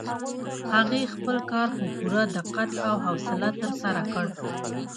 هغې خپل کار په پوره دقت او حوصله ترسره کړ.